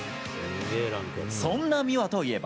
そんな美和といえば。